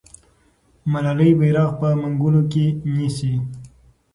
ملالۍ بیرغ په منګولو کې نیسي.